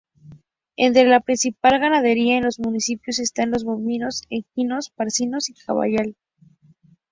Entre la principal Ganadería en el municipio están los bovinos, equinos, porcinos y caballar.